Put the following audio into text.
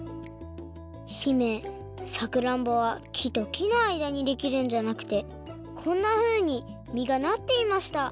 姫さくらんぼはきときのあいだにできるんじゃなくてこんなふうにみがなっていました